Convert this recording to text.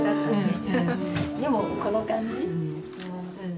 でもこの感じうん。